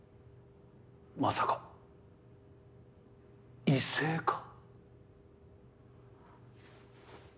まさか異性化？